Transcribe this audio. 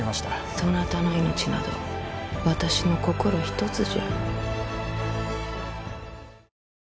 そなたの命など私の心ひとつじゃ。